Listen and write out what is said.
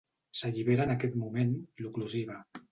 S'allibera en aquest moment l'oclusiva.